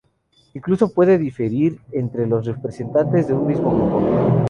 Incluso puede diferir entre los representantes de un mismo grupo.